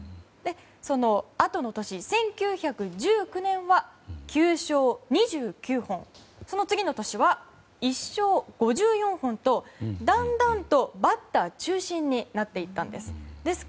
そのあとの年、１９１９年は９勝２９本その次の年は、１勝５４本とだんだんとバッター中心になっていったんです。